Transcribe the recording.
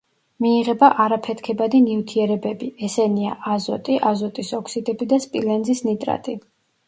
მიიღება არაფეთქებადი ნივთიერებები, ესენია: აზოტი, აზოტის ოქსიდები და სპილენძის ნიტრატი.